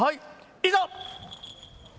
いざ！